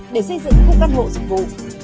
để xây dựng khu căn hộ dân phú